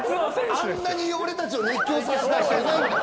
あんなに俺たちを熱狂させた人はいないんだから。